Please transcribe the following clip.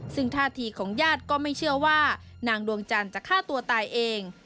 ซึ่งท่าทีของญาติก็ไม่เชื่อว่านางดวงจันทร์จะฆ่าตัวตายเอง